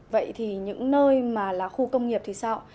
vậy thì những nơi mà là khu công nghiệp thì sao